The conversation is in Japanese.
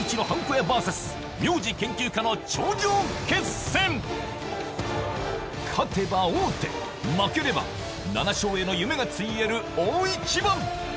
屋ｖｓ名字研究家の勝てば王手負ければ７勝への夢がついえる大一番！